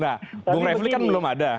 nah bung refli kan belum ada